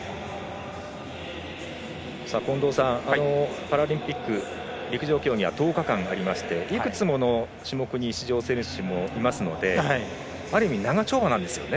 近藤さん、パラリンピック陸上競技は１０日間ありましていくつもの種目に出場する選手もいますので、ある意味長丁場なんですよね。